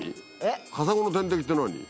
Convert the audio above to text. カサゴの天敵って何？